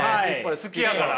好きやから？